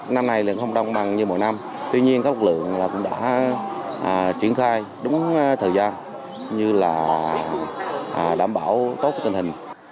năm nay lượng không đông bằng như mỗi năm tuy nhiên các lực lượng cũng đã triển khai đúng thời gian như là đảm bảo tốt tình hình